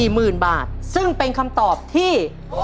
หมื่นบาทซึ่งเป็นคำตอบที่